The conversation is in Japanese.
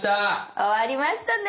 終わりましたね！